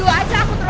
duduk aja aku terus